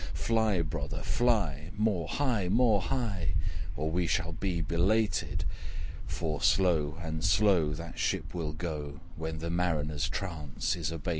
Fly, brother, fly! more high, more high! Or we shall be belated: For slow and slow that ship will go, When the Mariner's trance is abated.'